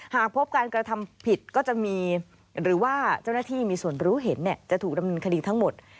หากพบการกระทำผิดก็จะมีหรือว่าเจ้าหน้าที่มีส่วนรู้เห็นจะถูกดำเนินคดีทั้งหมด